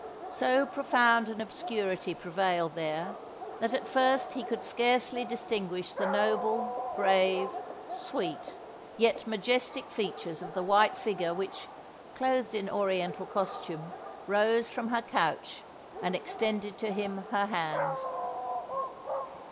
So profound an obscurity prevailed there, that at first he could scarcely distinguish the noble, grave, sweet, yet majestic features of the white figure which, clothed in Oriental costume, rose from her couch, and extended to him her hands.